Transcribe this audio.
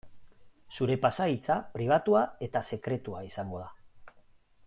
Zure pasahitza pribatua eta sekretua izango da.